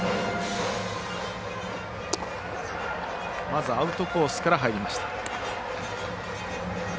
まずはアウトコースから入りました。